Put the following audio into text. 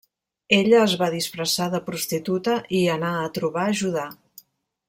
Ella es va disfressar de prostituta i anà a trobar Judà.